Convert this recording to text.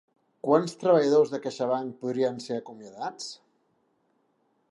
Quants treballadors de CaixaBank podrien ser acomiadats?